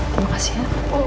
terima kasih ya